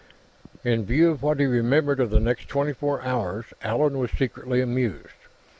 In view of what he remembered of the next twenty four hours, Allan was secretly amused.